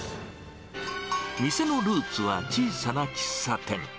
店のルーツは小さな喫茶店。